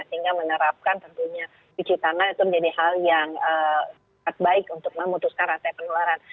sehingga menerapkan tentunya cuci tangan itu menjadi hal yang terbaik untuk memutuskan rasai penularan